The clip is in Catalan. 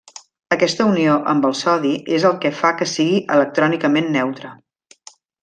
Aquesta unió amb el sodi és el que fa que sigui electrònicament neutre.